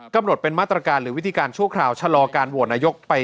กำหนดเป็นมาตรการหรือวิธีการชั่วคราวชะลอการโหวตนายกไป